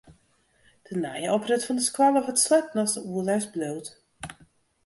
De nije oprit fan de skoalle wurdt sletten as de oerlêst bliuwt.